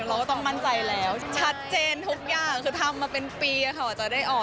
เราก็ต้องมั่นใจแล้วชัดเจนทุกอย่างคือทำมาเป็นปีค่ะจะได้ออก